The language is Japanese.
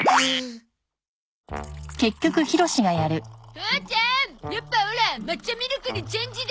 父ちゃんやっぱオラ抹茶ミルクにチェンジで。